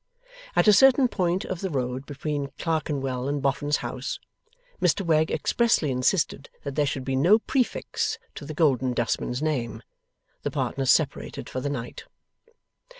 At a certain point of the road between Clerkenwell and Boffin's house (Mr Wegg expressly insisted that there should be no prefix to the Golden Dustman's name) the partners separated for the night.